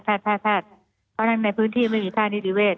เพราะฉะนั้นในพื้นที่ไม่มีท่านิติเวศ